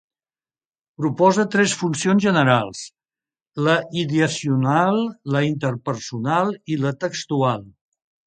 Proposa tres funcions generals: la "ideacional", la "interpersonal" i la "textual".